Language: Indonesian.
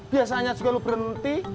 biasanya juga lu berhenti